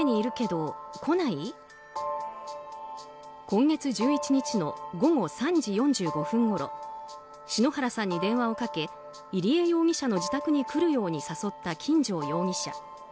今月１１日の午後３時４５分ごろ篠原さんに電話をかけ入江容疑者の自宅に来るように誘った金城容疑者。